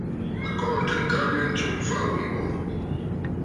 A kɔɔntə ŋgabə yǐ ntsɨ̀m m̀fa ghu mbô.